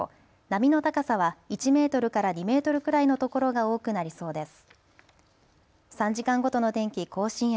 波の高さは１メートルから２メートルくらいの所が多くなりそうです。